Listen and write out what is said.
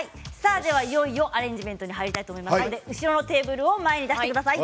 いよいよアレンジメントをやりたいと思いますので後ろのテーブルを前に出してください。